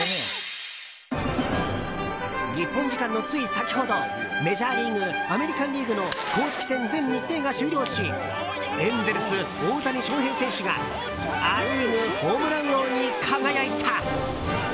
日本時間のつい先ほどメジャーリーグアメリカン・リーグの公式戦全日程が終了しエンゼルス、大谷翔平選手がア・リーグホームラン王に輝いた。